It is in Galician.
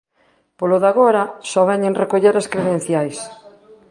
Polo de agora, só veñen recoller as credenciais.